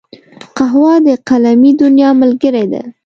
قهوه د قلمي دنیا ملګرې ده